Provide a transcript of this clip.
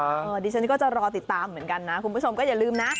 ดิฉันก็จะรอติดตามเหมือนกันนะคุณผู้ชมก็อย่าลืมนะ